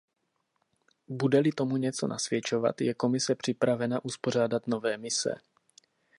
Bude-li tomu něco nasvědčovat, je Komise připravena uspořádat nové mise.